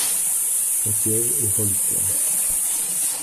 Son siège est Hollister.